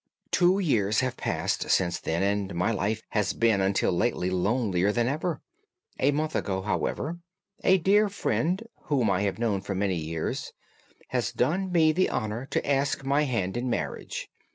"Two years have passed since then, and my life has been until lately lonelier than ever. A month ago, however, a dear friend, whom I have known for many years, has done me the honour to ask my hand in marriage.